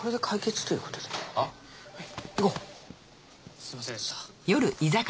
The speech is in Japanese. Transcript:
すみませんでした。